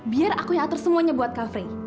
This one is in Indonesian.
biar aku yang atur semuanya buat kak fre